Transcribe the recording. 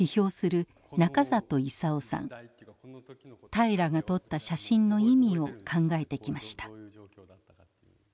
平良が撮った写真の意味を考えてきました。